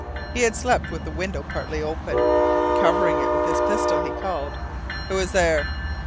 He had slept with the window partly open. Covering it with his pistol, he called: "Who is there?"